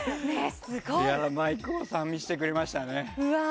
マイコーさん見せてくれましたね。